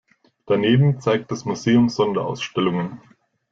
Daneben zeigt das Museum Sonderausstellungen.